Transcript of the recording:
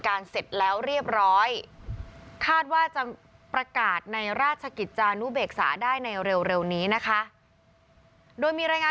การเสร็จแล้วเรียบร้อยคาดว่าจะประกาศในราศกิจจานุฑเบกษาได้ในเร็วนี้นะคะ